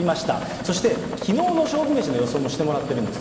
そしてきのうの勝負メシの予想もしてもらってるんです。